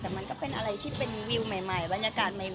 แต่มันก็เป็นอะไรที่เป็นวิวใหม่บรรยากาศใหม่